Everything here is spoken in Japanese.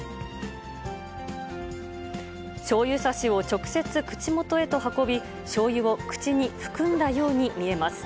しょうゆさしを直接口元へと運び、しょうゆを口に含んだように見えます。